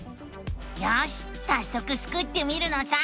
よしさっそくスクってみるのさ！